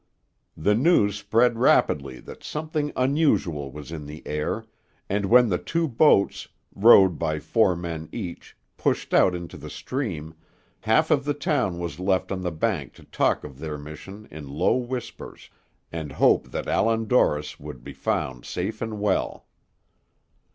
The news spread rapidly that something unusual was in the air, and when the two boats, rowed by four men each, pushed out into the stream, half of the town was left on the bank to talk of their mission in low whispers, and hope that Allan Dorris would be found safe and well.